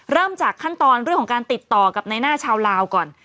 เริ่มจากขั้นตอนเรื่องของการติดต่อกับในหน้าชาวลาวก่อน